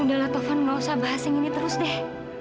udahlah telepon gak usah bahas yang ini terus deh